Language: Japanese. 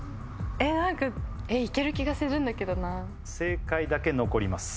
えっ何かえっいける気がするんだけどな正解だけ残ります